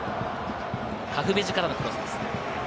カフベジからのクロスです。